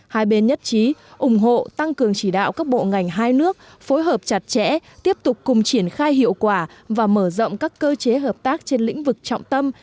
hai bên nhất trí ủng hộ tăng cường chỉ đạo các bộ ngành hai nước phối hợp chặt chẽ tiếp tục cùng triển khai hiệu quả và mở rộng các cơ chế hợp tác trên lĩnh vực trọng tâm